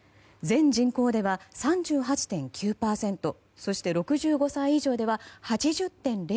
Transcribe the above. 全人口では３８．９％そして、６５歳以上では８０．０％。